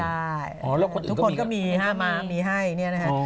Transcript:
อ๋อแล้วคนอื่นก็มีหนะทุกคนก็มีเป็น๕มามีให้